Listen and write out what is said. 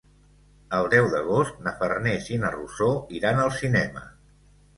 El deu d'agost na Farners i na Rosó iran al cinema.